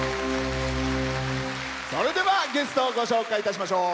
それではゲストをご紹介いたしましょう。